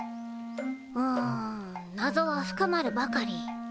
うんなぞは深まるばかり。